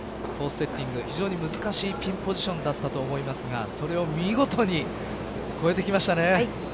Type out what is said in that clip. セッティング非常に難しいピンポジションだったと思いますがそれを見事に超えてきましたね。